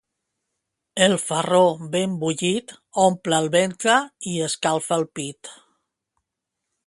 El farro ben bullit omple el ventre i escalfa el pit.